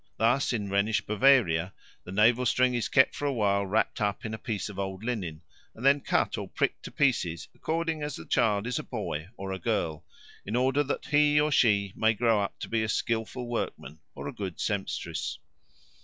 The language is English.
Thus in Rhenish Bavaria the navel string is kept for a while wrapt up in a piece of old linen, and then cut or pricked to pieces according as the child is a boy or a girl, in order that he or she may grow up to be a skilful workman or a good sempstress.